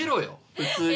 普通に。